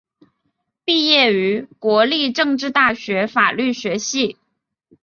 毕业于国立政治大学法律学系。